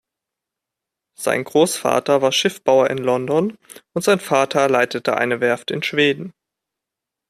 Sein Großvater war Schiffbauer in London und sein Vater leitete eine Werft in Schweden.